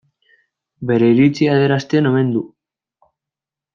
Bere iritzia adierazten omen du.